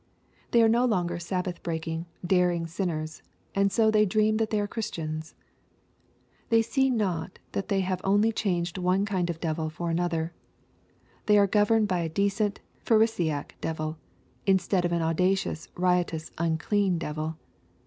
They are no longer sabbath breaking, daring sinners, and so they dream that they are Christians. They see not that they have only changed one kind of devil for another. They are governed by a decent, Pharisaic devil, instead of an au dacious, riotous, unclean devil.